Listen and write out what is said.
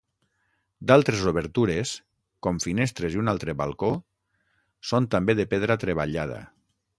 D'altres obertures com finestres i un altre balcó són també de pedra treballada.